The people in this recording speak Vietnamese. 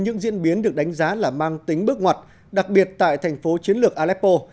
những diễn biến được đánh giá là mang tính bước ngoặt đặc biệt tại thành phố chiến lược aleppo